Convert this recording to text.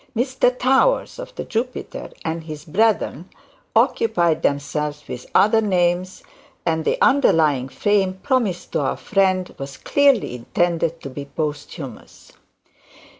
Mr Towers, of the Jupiter, and his brethren occupied themselves with other names, and the underlying fame promised to our friend was clearly intended to be posthumous.